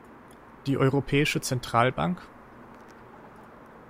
Die Europäische Zentralbank?